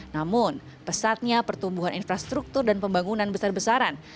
namun pesatnya pertumbuhan infrastruktur dan pembangunan besar besaran